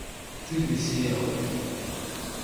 — Ты бы сел!